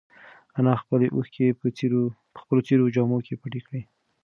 انا خپلې اوښکې په خپلو څېرو جامو کې پټې کړې.